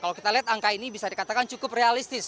kalau kita lihat angka ini bisa dikatakan cukup realistis